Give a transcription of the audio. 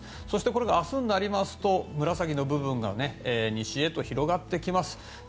そして、これが明日になると紫の部分が西へと広がってきます。